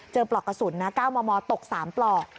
เจอปลอกกระสุนนะก้าวมอมอตกสามปลอก